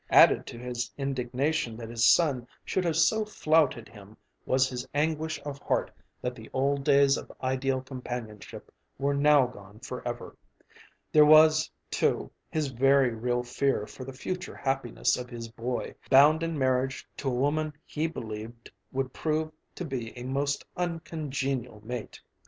Added to his indignation that his son should have so flouted him was his anguish of heart that the old days of ideal companionship were now gone forever. There was, too, his very real fear for the future happiness of his boy, bound in marriage to a woman he believed would prove to be a most uncongenial mate.